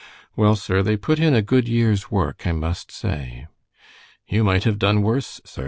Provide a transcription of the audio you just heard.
"Well, sir, they put in a good year's work, I must say." "You might have done worse, sir.